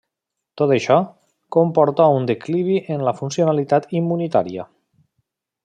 Tot això, comporta a un declivi en la funcionalitat immunitària.